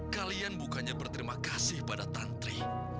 kalian bukannya berterima kasih pada tantri